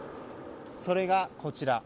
それが、こちら。